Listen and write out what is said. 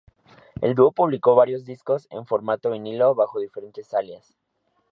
El dúo publicó varios discos en formato vinilo bajo diferentes alias.